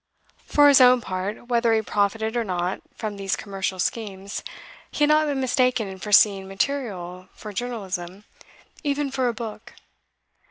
For his own part, whether he profited or not from these commercial schemes, he had not been mistaken in foreseeing material for journalism, even for a book.